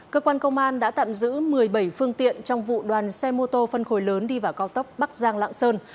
cơ quan công an đã tạm giữ một mươi bảy phương tiện trong vụ đoàn xe mô tô phân khối lớn đi vào cao tốc bắc giang lạng sơn